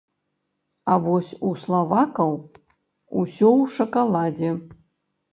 А вось у славакаў усё ў шакаладзе.